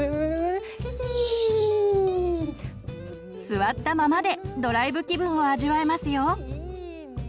座ったままでドライブ気分を味わえますよ！